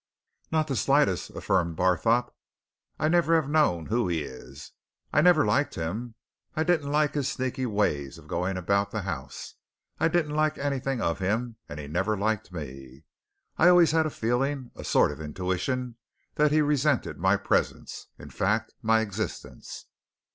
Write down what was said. "Not the slightest!" affirmed Barthorpe. "I never have known who he is. I never liked him I didn't like his sneaky way of going about the house I didn't like anything of him and he never liked me. I always had a feeling a sort of intuition that he resented my presence in fact, my existence."